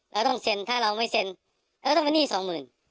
เราต้องเซ็นถ้าเราไม่เซ็นเราก็ต้องเป็นหนี้สองหมื่น